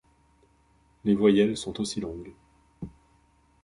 Les voyelles sont aussi longues.